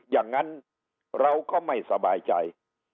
อย่างนั้นเราก็ไม่สบายใจ